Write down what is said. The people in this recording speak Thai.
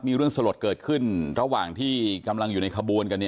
มีเรื่องสลดเกิดขึ้นระหว่างที่กำลังอยู่ในขบวนกัน